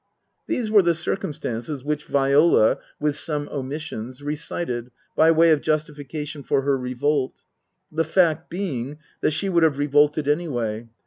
These were the circumstances which Viola (with some omissions) recited by way of justification for her revolt ; the fact being that she would have revolted anyway.